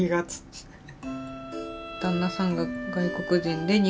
そうだね。